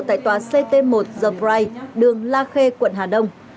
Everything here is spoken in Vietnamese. tại tòa ct một the bright đường la khê quận hà đông